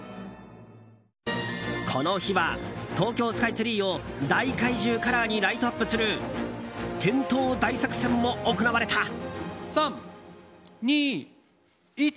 この日は東京スカイツリーを大怪獣カラーにライトアップする点灯大作戦も行われた。